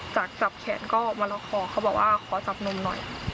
จากจับแขนก็มาล็อกคอเขาบอกว่าขอจับนมหน่อย